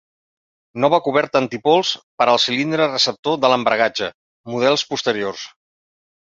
Nova coberta antipols per al cilindre receptor de l'embragatge, models posteriors.